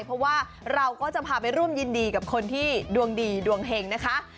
เพราะว่าเราก็จะพาไปร่วมยินดีกับคนที่ดวงดีดวงเห็งนะคะ